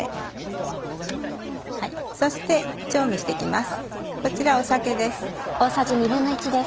そして調味して行きます